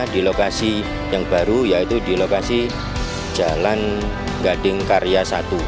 di lokasi yang baru yaitu di lokasi jalan gading karya satu